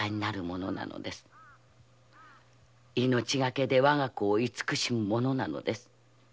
命がけでわが子を慈しむものなのです。